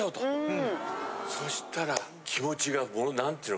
そしたら。